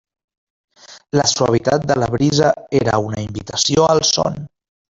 La suavitat de la brisa era una invitació al son.